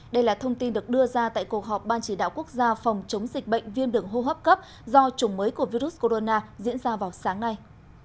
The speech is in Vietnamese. đây là thông tin được đưa ra tại cuộc họp ban chỉ đạo quốc gia phòng chống dịch bệnh viêm đường hô hấp cấp do chủng mới của virus corona diễn ra vào sáng nay